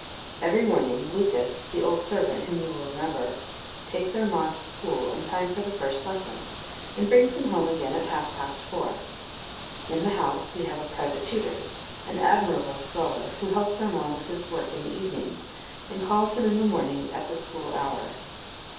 Every morning Lucas, the old servant whom you will remember, takes Armand to school in time for the first lesson, and brings him home again at half past four. In the house we have a private tutor, an admirable scholar, who helps Armand with his work in the evenings, and calls him in the morning at the school hour.